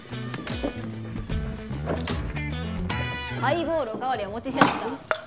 ハイボールお代わりお持ちしやっした。